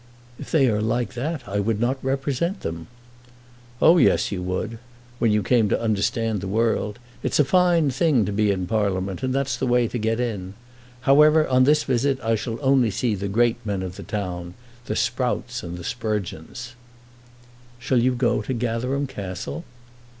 "If they are like that I would not represent them." "Oh yes, you would; when you came to understand the world. It's a fine thing to be in Parliament, and that is the way to get in. However, on this visit I shall only see the great men of the town, the Sprouts and Sprugeons." "Shall you go to Gatherum Castle?"